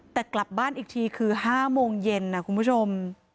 แต่กลับบ้านอีกทีคือ๕โมงเย็นนะคุณผู้ชม